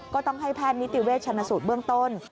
ก็ต้องให้แพทย์นิติเวชชนสูตรเบื้องต้น